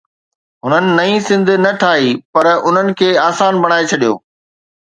هنن نئين سنڌ نه ٺاهي، پر ان کي آسان بڻائي ڇڏيو.